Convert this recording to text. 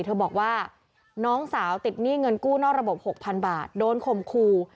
เธอบอกว่าน้องสาวติดหนี้เงินกู้นอกระบบ๖๐๐๐บาทโดนข่มขู่